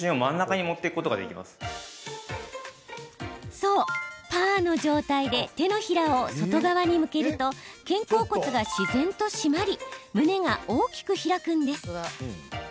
そう、パーの状態で手のひらを外側に向けると肩甲骨が自然としまり胸が大きく開くんです。